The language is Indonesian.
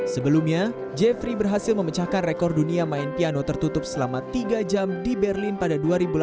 sebelumnya jeffrey berhasil memecahkan rekor dunia main piano tertutup selama tiga jam di berlin pada dua ribu delapan belas